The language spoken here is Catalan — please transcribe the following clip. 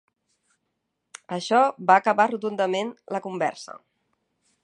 Això va acabar rotundament la conversa.